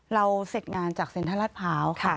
เราเสร็จงานจากเซนทรัสพร้าวค่ะ